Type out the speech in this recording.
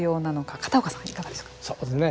片岡さんは、いかがでしょうか。